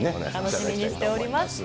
楽しみにしております。